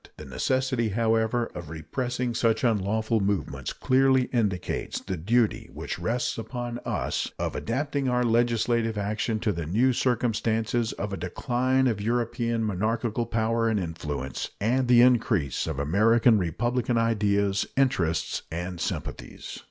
The necessity, however, of repressing such unlawful movements clearly indicates the duty which rests upon us of adapting our legislative action to the new circumstances of a decline of European monarchical power and influence and the increase of American republican ideas, interests, and sympathies.